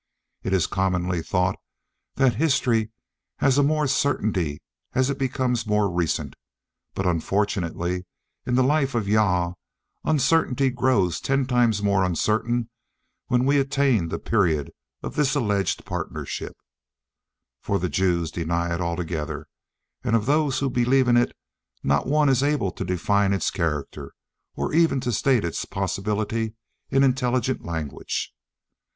It is commonly thought that history has more of certainty as it becomes more recent; but unfortunately in the life of Jah, uncertainty grows ten times more uncertain when we attain the period of this alleged partnership, for the Jews deny it altogether; and of those who believe in it not one is able to define its character, or even to state its possibility in intelligible language.